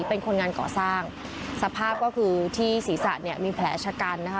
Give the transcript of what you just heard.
เป็นคนงานก่อสร้างสภาพก็คือที่ศีรษะเนี่ยมีแผลชะกันนะคะ